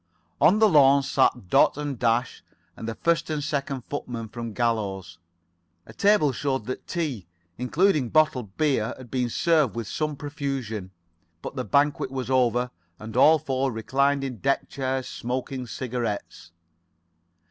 On the lawn sat Dot, Dash, and the first and second footmen from Gallows. A table showed that tea, including bottled beer, had been served with some profusion. But the banquet was over and all four reclined in deck chairs, smoking cigarettes.